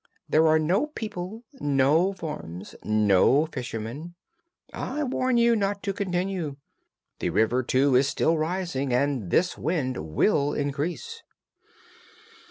There are no people, no farms, no fishermen. I warn you not to continue. The river, too, is still rising, and this wind will increase."